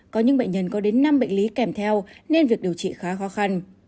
có những bệnh nhân có đến năm bệnh lý kèm theo nên việc điều trị khá khó khăn